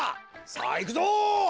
さあいくぞ！